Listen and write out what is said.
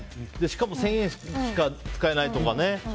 しかも、１０００円しか使えないとかね。